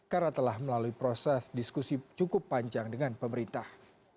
karena telah melalui proses diskusi cukup panjang dengan pemerintah